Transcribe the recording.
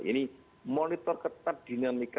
ini monitor tetap dinamika